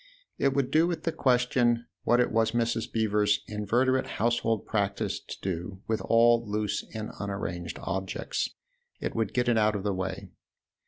It would do with the question what it was Mrs. Beever's inveterate household practice to do with all loose and unarranged objects it would get it out of the way.